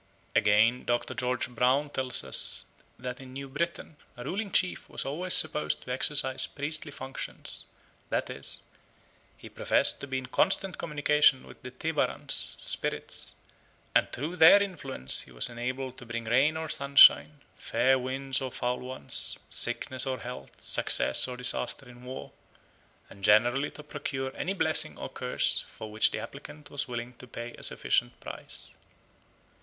Again, Dr. George Brown tells us that in New Britain "a ruling chief was always supposed to exercise priestly functions, that is, he professed to be in constant communication with the tebarans (spirits), and through their influence he was enabled to bring rain or sunshine, fair winds or foul ones, sickness or health, success or disaster in war, and generally to procure any blessing or curse for which the applicant was willing to pay a sufficient price."